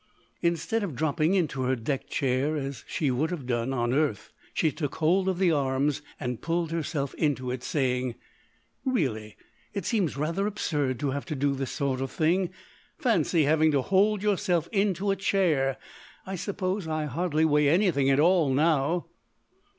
Instead of dropping into her deck chair as she would have done on Earth, she took hold of the arms and pulled herself into it, saying: "Really, it seems rather absurd to have to do this sort of thing. Fancy having to hold yourself into a chair. I suppose I hardly weigh anything at all now."